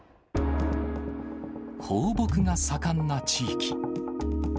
放牧が盛んな地域。